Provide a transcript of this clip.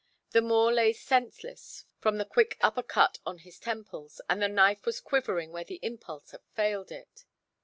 The Moor lay senseless from the quick upper cut on his temples, and the knife was quivering where the impulse had failed it.